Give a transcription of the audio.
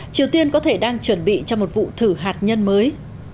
triều tiên có thể đang chuẩn bị cho một vụ thử hạt nhân mới